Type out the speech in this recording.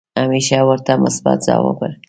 همیشه ورته مثبت ځواب ورکړئ .